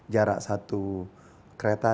jarak satu kereta